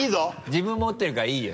自分持ってるからいいよ